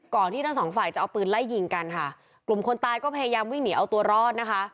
ที่ทั้งสองฝ่ายจะเอาปืนไล่ยิงกันค่ะกลุ่มคนตายก็พยายามวิ่งหนีเอาตัวรอดนะคะ